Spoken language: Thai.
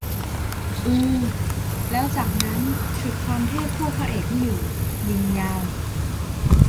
อือ แล้วจากนั้นฉุดความเทพพวกพระเอกไม่อยู่ ยิงยาว